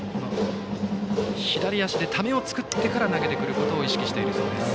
左足で、ためを作ってから投げてくることを意識しているそうです。